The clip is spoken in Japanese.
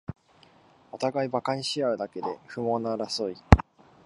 おたがいバカにしあうだけで不毛な争い